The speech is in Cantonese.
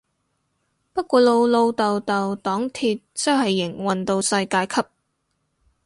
不過老老豆豆黨鐵真係營運到世界級